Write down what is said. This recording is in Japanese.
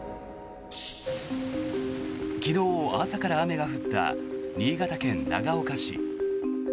昨日、朝から雨が降った新潟県長岡市。